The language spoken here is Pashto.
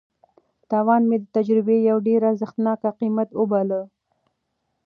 تاوان مې د تجربې یو ډېر ارزښتناک قیمت وباله.